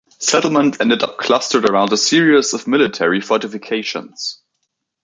Settlement ended up clustered around a series of military fortifications.